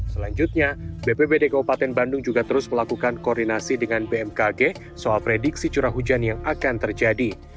selanjutnya bpbd kabupaten bandung juga terus melakukan koordinasi dengan bmkg soal prediksi curah hujan yang akan terjadi